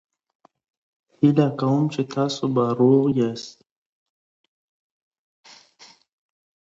نننۍ ټولنپوهنه ډېره پرمختللې ده.